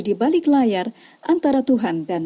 di balik layar antara tuhan dan